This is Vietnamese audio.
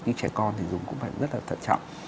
nhưng trẻ con thì dùng cũng phải rất là thật chậm